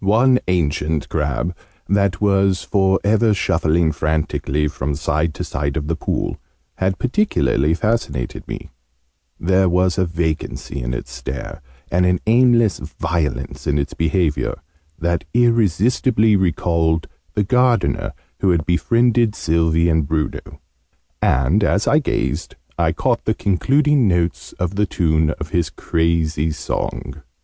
One ancient crab, that was for ever shuffling frantically from side to side of the pool, had particularly fascinated me: there was a vacancy in its stare, and an aimless violence in its behaviour, that irresistibly recalled the Gardener who had befriended Sylvie and Bruno: and, as I gazed, I caught the concluding notes of the tune of his crazy song.